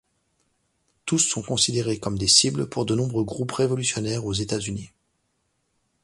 Tous sont considérés comme des cibles pour de nombreux groupes révolutionnaires aux États-Unis.